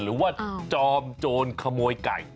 หรือว่าจอมโจรขโมยไก่